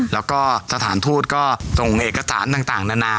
แล้วก็สถานทูตก็ส่งเอกสารต่างนานา